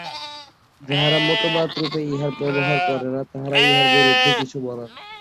যাঁহারা মতবাদরূপে ইহার ব্যবহার করেন না, তাঁহারাও ইহার বিরুদ্ধে কিছু বলেন না।